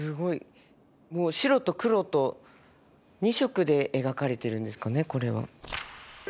もう白と黒と２色で描かれてるんですかねこれは。